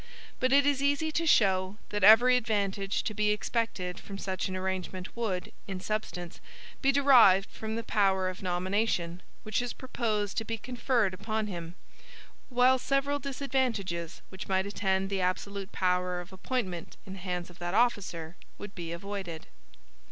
But it is easy to show, that every advantage to be expected from such an arrangement would, in substance, be derived from the power of nomination, which is proposed to be conferred upon him; while several disadvantages which might attend the absolute power of appointment in the hands of that officer would be avoided.